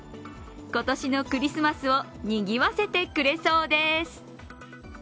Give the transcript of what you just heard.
今年のクリスマスをにぎわせてくれそうです。